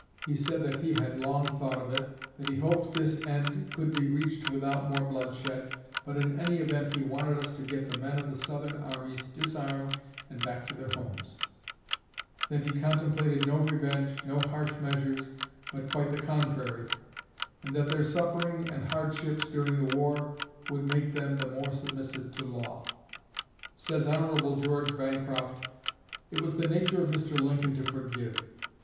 He said that he had long thought of it, that he hoped this end could be reached without more bloodshed, but in any event he wanted us to get the men of the Southern armies disarmed and back to their homes; that he contemplated no revenge, no harsh measures, but quite the contrary, and that their suffering and hardships during the war would make them the more submissive to law." Says Hon. George Bancroft: "It was the nature of Mr. Lincoln to forgive.